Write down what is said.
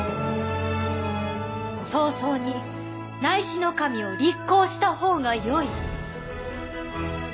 早々に尚侍を立后した方がよい。